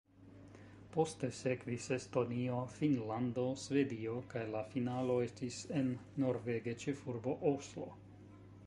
Poste sekvis Estonio, Finnlando, Svedio kaj la finalo estis en norvega ĉefurbo Oslo.